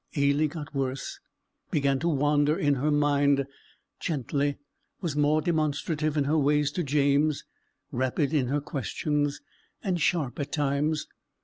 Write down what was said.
Ailie got worse; began to wander in her mind, gently; was more demonstrative in her ways to James, rapid in her questions, and sharp at times.